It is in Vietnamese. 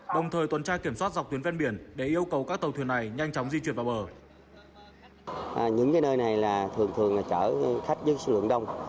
đồng thời tuần trai kiểm soát dọc tuyến phía trên bờ